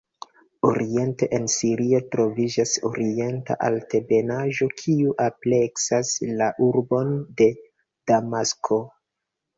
Oriente, en Sirio, troviĝas Orienta Altebenaĵo kiu ampleksas la urbon de Damasko.